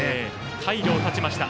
退路を断ちました。